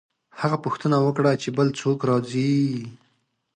هغه پوښتنه وکړه چې بل څوک راځي؟